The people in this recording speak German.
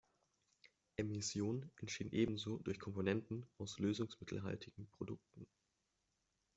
Emissionen entstehen ebenso durch Komponenten aus lösungsmittelhaltigen Produkten.